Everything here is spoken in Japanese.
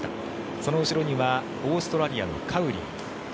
その後ろにはオーストラリアのカウリー。